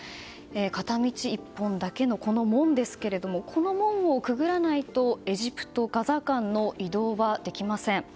片道１本だけのこの門ですけれどもこの門をくぐらないとエジプトガザ間の移動はできません。